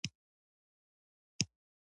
آیا د ښوونځي یونیفورم دلته جوړیږي؟